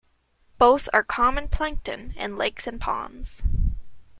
Both are common plankton in lakes and ponds.